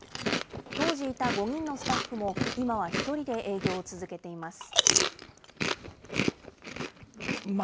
当時いた５人のスタッフも、今は１人で営業を続けています。